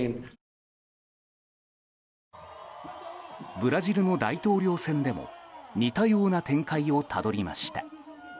ブラジルの大統領選でも似たような展開をたどりました。